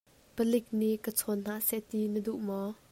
Palik nih ka chawn hna seh ti na duh maw?